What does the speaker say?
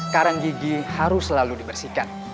karang gigi harus selalu dibersihkan